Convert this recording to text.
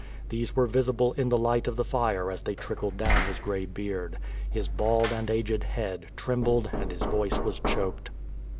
These were visible in the light of the fire as they trickled down his gray beard. His bald and aged head trembled and his voice was choked.